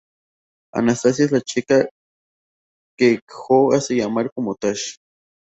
Anastasia: es la chica que Jo hace llamar como Tash.